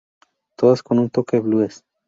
Todas con un toque blues.